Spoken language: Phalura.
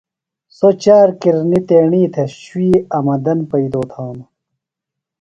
سوۡ چار کِرنیۡ تیݨی تھےۡ شُوئی آمدن پئیدو تھانوۡ۔